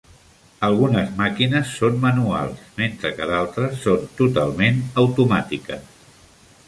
Algunes màquines són manuals, mentre que d'altres són totalment automàtiques.